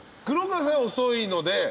黒川さんは遅いので。